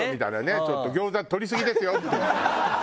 「ちょっと餃子とりすぎですよ」みたいな。